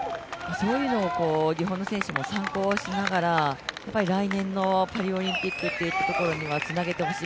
そういうのを日本の選手も参考にしながら来年のパリオリンピックといったところにつなげてほしい。